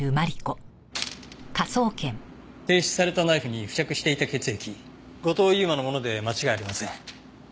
提出されたナイフに付着していた血液後藤佑馬のもので間違いありません。